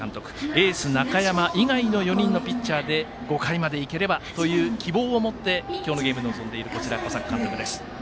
エース中山以外の４人のピッチャーで５回までいければという希望を持って今日のゲームに臨んでいる小坂監督です。